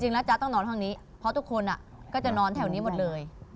นะจ๊ะต้องนอนห้องนี้เพราะทุกคนก็จะนอนแถวนี้หมดเลย